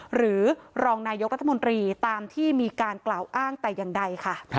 หรือรองนายกรรมตามที่มีการกล่าวอ้างแต่ยันใด